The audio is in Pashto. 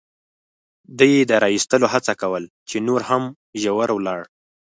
ده یې د را اېستلو هڅه کول، چې نور هم ژور ولاړ.